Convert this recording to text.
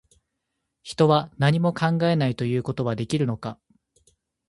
人は、何も考えないということはできるのか